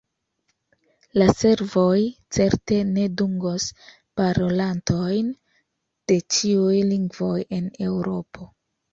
La servoj certe ne dungos parolantojn de ĉiuj lingvoj en Eŭropo.